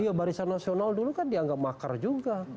iya barisan nasional dulu kan dianggap makar juga